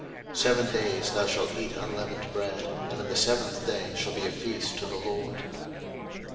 02:013:006 Seven days thou shalt eat unleavened bread, and in the seventh day shall be a feast to the LORD.